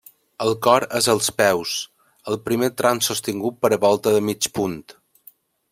El cor és als peus, al primer tram sostingut per volta de mig punt.